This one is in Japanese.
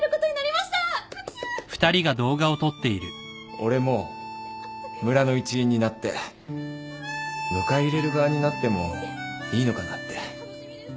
俺も村の一員になって迎え入れる側になってもいいのかなって。